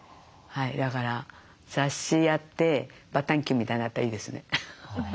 だから雑誌やってバタンキューみたいになったらいいですね。